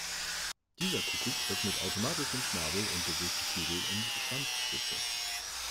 Dieser Kuckuck öffnet automatisch den Schnabel und bewegt Flügel und Schwanzspitze.